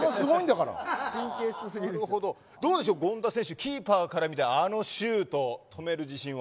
どうでしょう権田選手キーパーから見てあのシュートを止める自信は。